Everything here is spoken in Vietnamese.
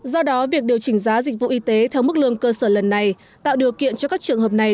do đó việc điều chỉnh giá dịch vụ y tế theo mức lương cơ sở lần này tạo điều kiện cho các trường hợp này